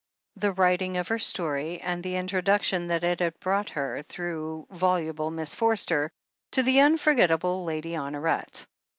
The writing of her story, and the introduction that it had brought her, through voluble Miss Forster, to the unforgettable Lady Honoret.